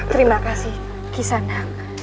terima kasih kisandang